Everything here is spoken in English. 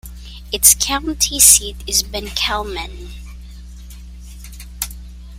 Its county seat is Benkelman.